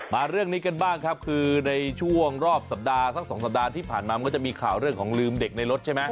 เรื่องนี้กันบ้างครับคือในช่วงรอบสัปดาห์สัก๒สัปดาห์ที่ผ่านมามันก็จะมีข่าวเรื่องของลืมเด็กในรถใช่ไหม